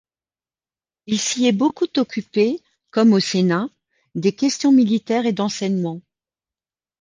Il s'y est beaucoup occupé, comme au Sénat, des questions militaires et d'enseignement.